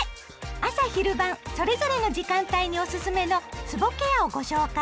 朝・昼・晩それぞれの時間帯におすすめのつぼケアをご紹介。